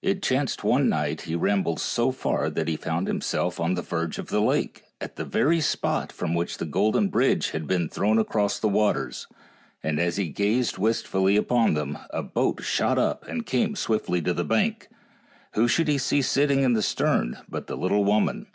It chanced one night he rambled so far that he found himself on the verge of the lake, at the very spot from which the golden bridge had been thrown across the waters, and as he gazed wistfully upon them a boat shot up and came swiftly to the bank, and who should he see sitting in the stern but the lit tle woman.